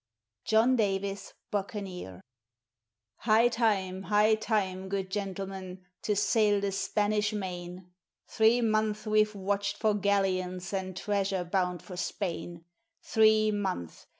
JOHN DAVIS, BOUCANIER High time, high time, good gentlemen, to sail the Spanish Main! Three months we've watched for galleons and treasure bound for Spain; Three months!